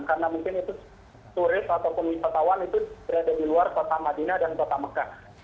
karena mungkin itu turis atau pemisah tawan itu berada di luar kota madinah dan kota mekah